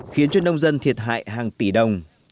khiến cho nông dân thiệt hại hàng tỷ đồng